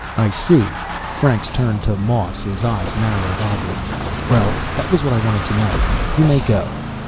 "I see." Franks turned to Moss, his eyes narrowed oddly. "Well, that was what I wanted to know. You may go."